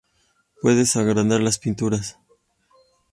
Puedes agrandar las pinturas.